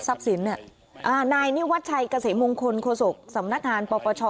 สับสินเนี่ยอ่านายนี่วัดชัยกษมงคลโฆษกสำนักงานปปช